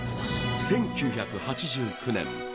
１９８９年